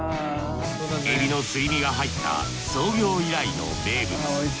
エビのすり身が入った創業以来の名物。